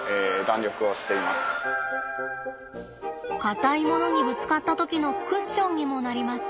硬いものにぶつかった時のクッションにもなります。